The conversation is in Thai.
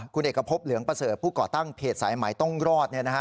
คุณเอกพบเหลืองประเสริฐผู้ก่อตั้งเพจสายใหม่ต้องรอด